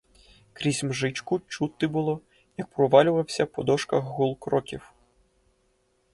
Крізь мжичку чути було, як провалювався по дошках гул кроків.